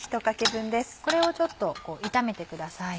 これをちょっと炒めてください。